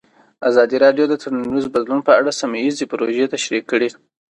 ازادي راډیو د ټولنیز بدلون په اړه سیمه ییزې پروژې تشریح کړې.